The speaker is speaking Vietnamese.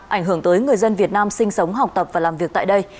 ảnh hưởng tới người dân việt nam sinh sống học tập và làm việc tại đây